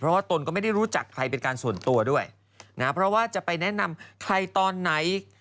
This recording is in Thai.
เพราะว่าตนก็ไม่ได้รู้จักใครเป็นการส่วนตัวด้วยนะเพราะว่าจะไปแนะนำใครตอนไหน